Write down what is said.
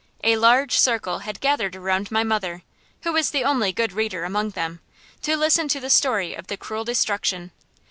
A large circle had gathered around my mother, who was the only good reader among them, to listen to the story of the cruel destruction.